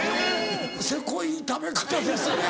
セコい食べ方ですね。